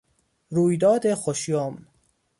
رویداد خوشیمن